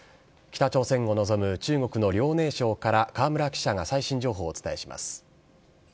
北朝鮮を望む中国の遼寧省から河村記者が最新情報をお伝えします。